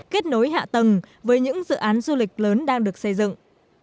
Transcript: kết nối hạ tầng với những dự án du lịch lớn đang được xây dựng